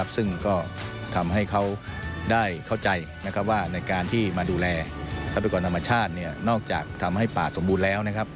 ซึ่งก็ทำให้เขาได้เข้าใจว่าในการที่มาดูแลทรัพยากรธรรมชาตินอกจากทำให้ป่าสมบูรณ์แล้ว